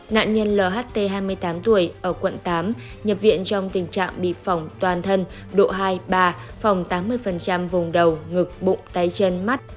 nạn nhân lht hai mươi tám tuổi ở quận tám nhập viện trong tình trạng bị phỏng toàn thân độ hai ba phòng tám mươi vùng đầu ngực bụng tay chân mắt